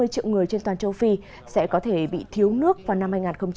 ba mươi triệu người trên toàn châu phi sẽ có thể bị thiếu nước vào năm hai nghìn hai mươi